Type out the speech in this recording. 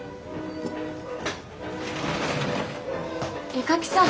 絵描きさん。